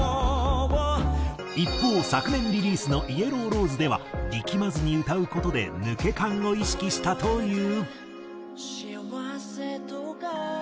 一方昨年リリースの『ＹｅｌｌｏｗＲｏｓｅ』では力まずに歌う事で抜け感を意識したという。